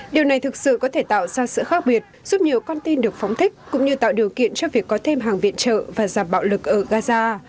điều này thực sự có thể tạo ra sự khác biệt giúp nhiều con tin được phóng thích cũng như tạo điều kiện cho việc có thêm hàng viện trợ và giảm bạo lực ở gaza